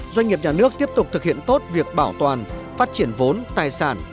doanh nghiệp nhà nước tiếp tục thực hiện tốt việc bảo toàn phát triển vốn tài sản